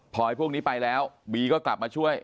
พอพวกนี้ไปแล้วบีก็กลับมาช่วย